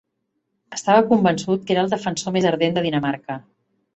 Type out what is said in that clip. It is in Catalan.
Estava convençut que era el defensor més ardent de Dinamarca.